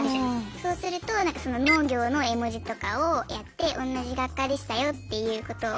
そうするとその農業の絵文字とかをやって同じ学科でしたよっていうことを。